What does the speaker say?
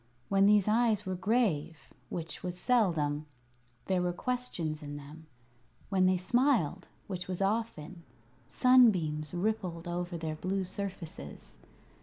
When these eyes were grave which was seldom there were questions in them; when they smiled which was often sunbeams rippled over their blue surfaces.